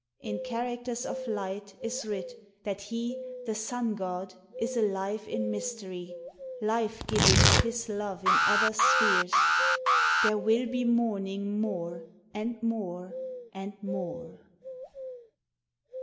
In characters of light is writ that he The sun god is alive in mystery, Life giving of his love in other spheres : There will be morning more, and more, and more